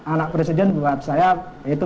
anak presiden buat saya itu